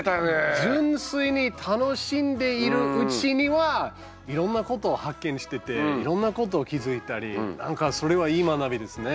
純粋に楽しんでいるうちにはいろんなことを発見してていろんなこと気付いたりなんかそれはいい学びですね。